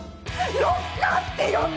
ロッカーって呼んで！